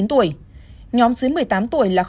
nhóm dưới một mươi tám tuổi là bốn mươi hai